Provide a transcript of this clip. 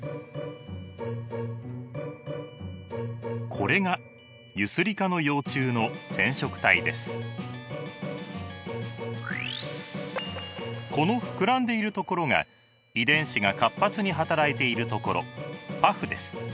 これがこの膨らんでいるところが遺伝子が活発に働いているところパフです。